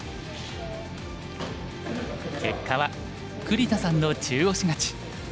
結果は栗田さんの中押し勝ち。